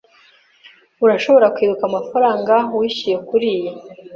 Urashobora kwibuka amafaranga wishyuye kuriyi?